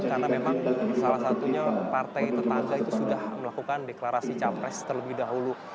karena memang salah satunya partai tetangga itu sudah melakukan deklarasi capres terlebih dahulu